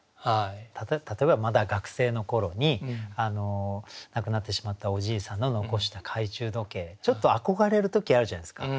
例えばまだ学生の頃に亡くなってしまったおじいさんの残した懐中時計ちょっと憧れる時あるじゃないですか。